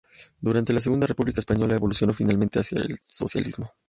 Durante la Segunda República Española evolucionó finalmente hacia el socialismo.